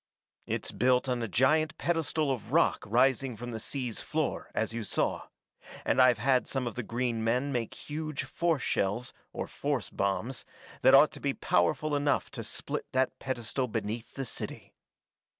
It's built on a giant pedestal of rock rising from the sea's floor, as you saw, and I've had some of the green men make huge force shells or force bombs that ought to be powerful enough to split that pedestal beneath the city.